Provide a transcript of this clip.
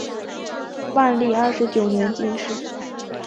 万历二十九年进士。